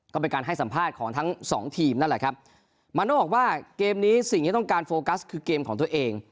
ก็เป็นการให้สัมภาษณ์ของทั้งสองทีมนั่นแหละครับมาโน่บอกว่าเกมนี้สิ่งที่ต้องการโฟกัสคือเกมของตัวเอง